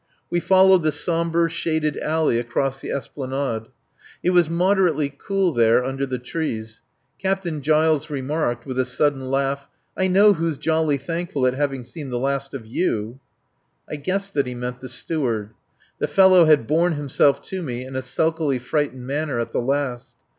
We followed the sombre, shaded alley across the Esplanade. It was moderately cool there under the trees. Captain Giles remarked, with a sudden laugh: "I know who's jolly thankful at having seen the last of you." I guessed that he meant the Steward. The fellow had borne himself to me in a sulkily frightened manner at the last.